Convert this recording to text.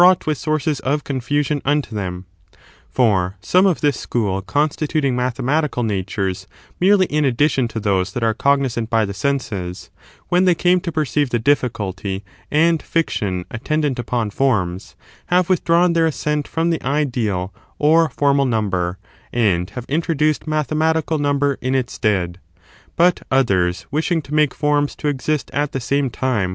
ught with sources of coufusion unto them. hood of their For some of this school constituting mathema . theories. ^.^^ uaturcs merely in addition to those that are cognisant by the senses, when they came to perceive the difficulty and fiction attendant upon forms, have withdrawn their assent from the ideal or formal number,^ and have introduced mathematical number in its stead; but others wishing to make forms to exist at the same time with the ^ This point has been discussed in chapter viii.